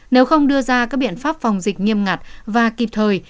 nếu không đưa ra các biện pháp phòng dịch nghiêm ngặt và kịp thời